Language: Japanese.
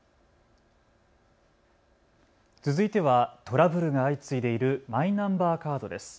続いてはトラブルが相次いでいるマイナンバーカードです。